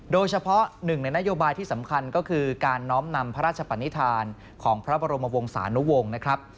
โดยเฉพาะหนึ่งในนโยบายที่สำคัญก็คือการน้อมนำพระราชปนิษฐานของพระบรมวงศานุวงศ์นะครับ